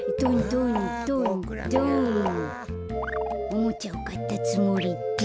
おもちゃをかったつもりで。